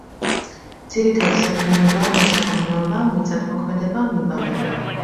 ძირითადი საქმიანობაა მესაქონლეობა, მიწათმოქმედება, მებაღეობა.